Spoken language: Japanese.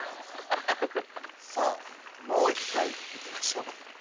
さあもう一回いきましょう。